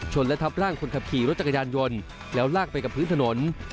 และทับร่างคนขับขี่รถจักรยานยนต์แล้วลากไปกับพื้นถนน